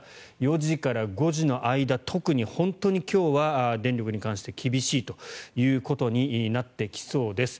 ４時から５時の間特に本当に今日は電力に関して厳しいということになってきそうです。